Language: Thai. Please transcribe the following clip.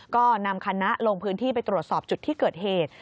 ก็นำคณะลงพื้นที่ไปตรวจสอบจุดที่เกิดเหตุ